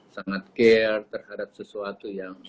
sangat care terhadap sesuatu yang